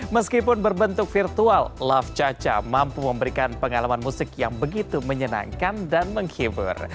meskipun berbentuk virtual laf caca mampu memberikan pengalaman musik yang begitu menyenangkan dan menghibur